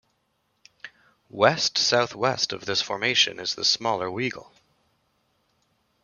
West-southwest of this formation is the smaller Weigel.